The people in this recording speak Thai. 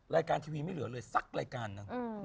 รายการทีวีไม่เหลือเลยสักรายการหนึ่ง